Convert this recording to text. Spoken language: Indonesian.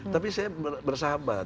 tapi saya bersahabat